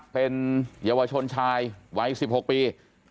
เป็นเยาวชนชายวัย๑๖ปี